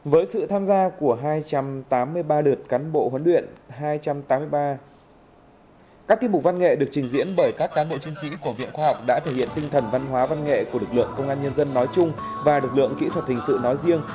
với sự tham gia của hai trăm tám mươi ba lượt cán bộ huấn luyện hai trăm tám mươi ba các tiết mục văn nghệ được trình diễn bởi các cán bộ chiến sĩ của viện khoa học đã thể hiện tinh thần văn hóa văn nghệ của lực lượng công an nhân dân nói chung và lực lượng kỹ thuật hình sự nói riêng